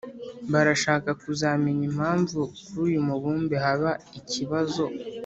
Barashaka kuzamenya impamvu kuri uyu mubumbe haba ikibazo